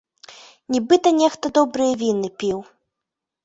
Нібыта нехта добрыя віны піў.